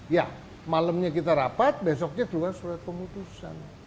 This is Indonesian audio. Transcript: ya malamnya kita rapat besoknya keluar surat pemutusan